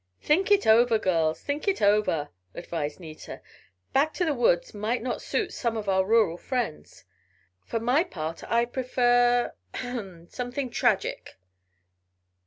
"Think it over girls; think it over!" advised Nita. "Back to the woods might not suit some of our rural friends. For my part I prefer ahem! Something tragic!"